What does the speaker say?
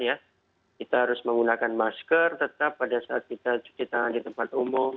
kita harus menggunakan masker tetap pada saat kita cuci tangan di tempat umum